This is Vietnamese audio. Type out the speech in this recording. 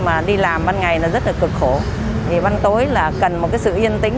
mà đi làm ban ngày là rất là cực khổ vì ban tối là cần một cái sự yên tĩnh